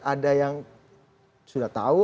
ada yang sudah tahu